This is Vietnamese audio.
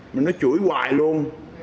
mà nó chửi hoài luôn